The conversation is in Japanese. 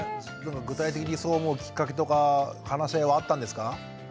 具体的にそう思うきっかけとか話し合いはあったんですか？